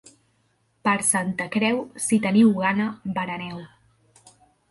Per Santa Creu, si teniu gana, bereneu.